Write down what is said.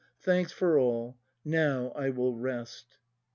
Thanks for all. Now I will rest.